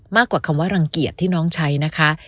มากกว่าคำว่ารังเกียจที่น้องใช้นะคะ